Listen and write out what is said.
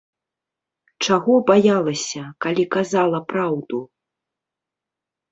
Чаго баялася, калі казала праўду?